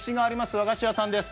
和菓子屋さんです。